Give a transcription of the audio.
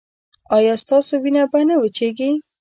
ایا ستاسو وینه به نه وچیږي؟